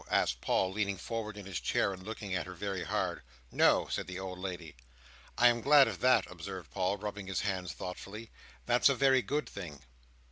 asked Paul, leaning forward in his chair, and looking at her very hard. "No," said the old lady. "I am glad of that," observed Paul, rubbing his hands thoughtfully. "That's a very good thing."